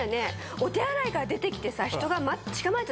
お手洗いから出て来て。